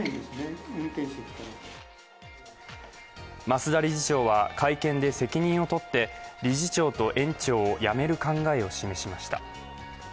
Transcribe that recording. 増田理事長は会見で責任をとって理事長と園長を辞める考えを示しました。